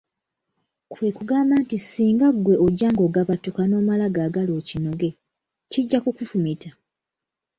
Kwe kugamba nti singa ggwe ojja ng'ogabattuka n'omala gaagala okinoge, kijja kukufumita.